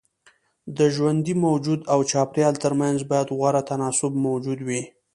د ژوندي موجود او چاپيريال ترمنځ بايد غوره تناسب موجود وي.